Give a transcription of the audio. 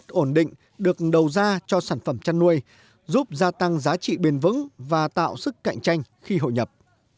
ổn định được đầu ra cho sản phẩm chăn nuôi giúp gia tăng giá trị bền vững và tạo sức cạnh tranh khi hội nhập